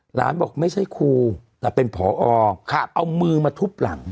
หลานบอกไม่ใช่ครูแต่เป็นผอเอามือมาทุบหลัง